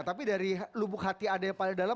tapi dari lubuk hati anda yang paling dalam